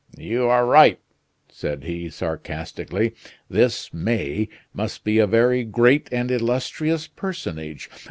"You are right," said he, sarcastically. "This May must be a very great and illustrious personage.